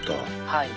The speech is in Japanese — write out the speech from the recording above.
はい。